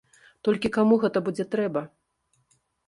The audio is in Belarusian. Толькі каму гэта будзе трэба?